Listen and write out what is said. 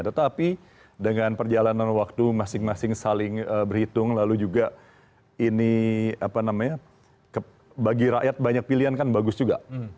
tetapi dengan perjalanan waktu masing masing saling berhitung lalu juga ini apa namanya bagi rakyat banyak pilihan kan bagus juga